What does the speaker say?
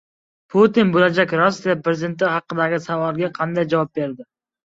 Putin bo‘lajak Rossiya prezidenti haqidagi savolga qanday javob berdi?